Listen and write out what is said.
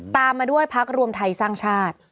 ตามมาด้วยพักรวมไทยสร้างชาติ